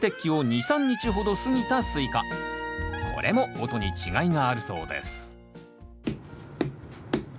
こちらはこれも音に違いがあるそうです